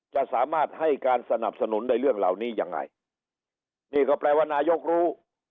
จะสามารถให้การสนับสนุนในเรื่องเหล่านี้ยังไงนี่ก็แปลว่านายกรู้